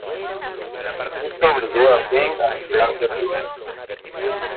Esto obligó a Feng a retirarse hacia el oeste.